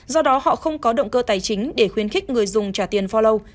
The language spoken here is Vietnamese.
do đó họ không có động cơ tài chính để khuyến khích người dùng trả tiền flow